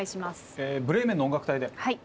「ブレーメンの音楽隊」で。